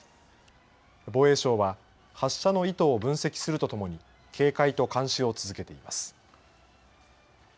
防衛省は発射の意図を分析するとともに警戒と監視を続けています。